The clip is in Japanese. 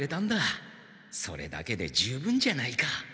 それだけで十分じゃないか。